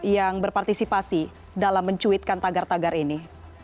yang berpartisipasi dalam mencuitkan tagar tagar ini